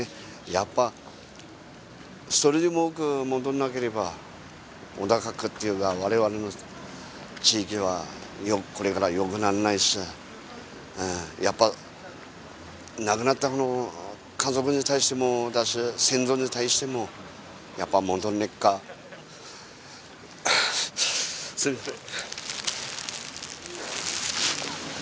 やっぱ１人でも多く戻んなければ小高区っていうか我々の地域はこれからよくならないしやっぱ亡くなった者家族に対してもだし先祖に対してもやっぱ戻んねっかすいません